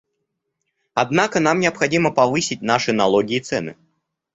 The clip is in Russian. Однако нам необходимо повысить наши налоги и цены.